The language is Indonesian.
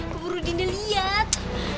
keburu dinda liat